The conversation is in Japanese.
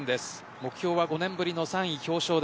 目標は５年ぶりの３位、表彰台。